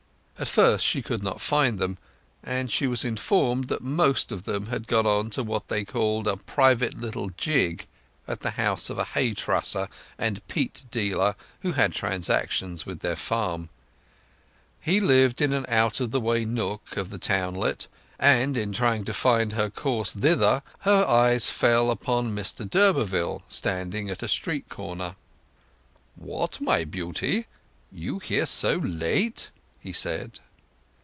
At first she could not find them, and she was informed that most of them had gone to what they called a private little jig at the house of a hay trusser and peat dealer who had transactions with their farm. He lived in an out of the way nook of the townlet, and in trying to find her course thither her eyes fell upon Mr d'Urberville standing at a street corner. "What—my Beauty? You here so late?" he said.